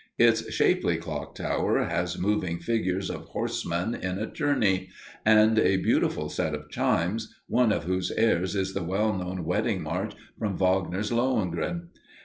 Its shapely clock tower has moving figures of horsemen in a tourney, and a beautiful set of chimes, one of whose airs is the well known wedding march from Wagner's "Lohengrin."